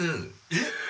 えっ！